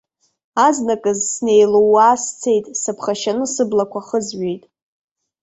Азныказ снеилыууаа сцеит, сыԥхашьаны сыблақәа хызҩеит.